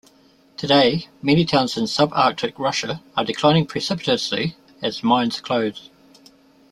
Today, many towns in subarctic Russia are declining precipitously as mines close.